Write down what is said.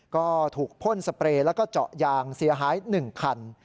ก็ถูกพ่นสเปรย์แล้วก็เจาะยางเสียหาย๑คัน